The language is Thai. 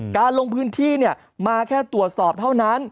การลงพื้นที่มาแค่ตรวจสอบเท่านั้น